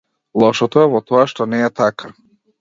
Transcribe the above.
Лошото е во тоа што не е така.